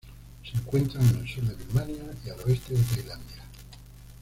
Se encuentran en el sur de Birmania y al oeste de Tailandia.